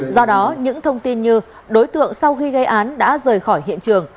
do đó những thông tin như đối tượng sau khi gây án đã rời khỏi hiện trường